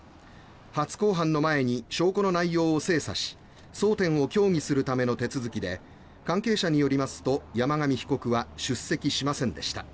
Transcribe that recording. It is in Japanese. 初公判の前に証拠の内容を精査し争点を協議するための手続きで関係者によりますと山上被告は出席しませんでした。